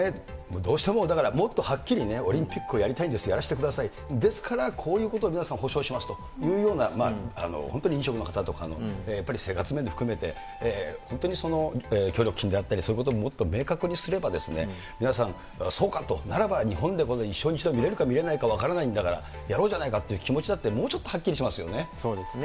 どうしても、だからもっとはっきりね、オリンピックをやりたいんです、やらせてください、ですからこういうことを皆さん、保障しますというような、本当に飲食の方とかの、やっぱり生活面含めて、本当にその協力金であったり、そういうことももっと明確にすれば、皆さん、そうかと、ならば日本で一生に一度、見れるか見れないか分からないんだからやろうじゃないかっていう気持ちだって、もうちょっとはっきりしそうですね。